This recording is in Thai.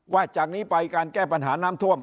จากนี้ไปการแก้ปัญหาน้ำท่วม